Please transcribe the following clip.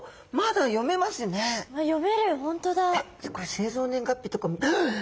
製造年月日とかもはっ！